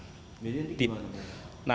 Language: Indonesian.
jadi itu gimana